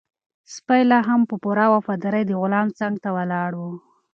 سپی لا هم په پوره وفادارۍ د غلام څنګ ته ولاړ و.